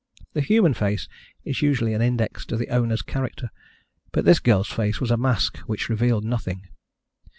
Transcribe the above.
The human face is usually an index to the owner's character, but this girl's face was a mask which revealed nothing.